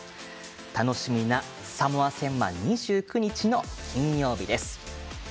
楽しみなサモア戦は２９日金曜日です。